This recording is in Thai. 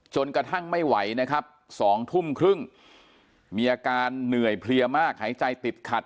ไม่ไหวนะครับ๒ทุ่มครึ่งมีอาการเหนื่อยเพลียมากหายใจติดขัด